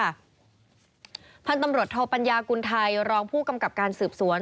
พันธุ์ตำรวจโทปัญญากุลไทยรองผู้กำกับการสืบสวน